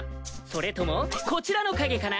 それともこちらの陰かな？